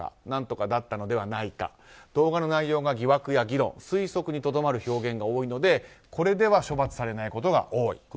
何とかだったのではないかなど動画の内容が疑惑や議論、推測にとどまる表現が多いのでこれでは処罰されないことが多い。